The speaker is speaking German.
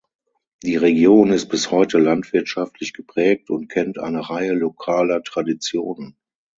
Die Region ist bis heute landwirtschaftlich geprägt und kennt eine Reihe lokaler Traditionen.